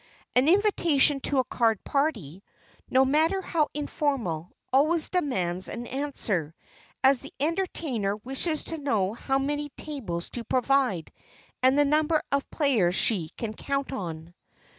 An invitation to a card party, no matter how informal, always demands an answer, as the entertainer wishes to know how many tables to provide, and the number of players she can count on.